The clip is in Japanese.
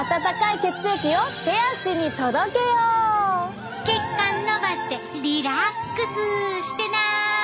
血管のばしてリラックスしてな！